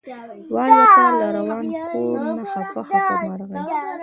والوته له وران کور نه خپه خپه مرغۍ